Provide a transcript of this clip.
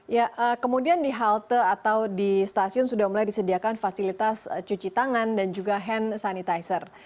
ya kemudian di halte atau di stasiun sudah mulai disediakan fasilitas cuci tangan dan juga hand sanitizer